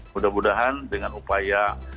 mudah mudahan dengan upaya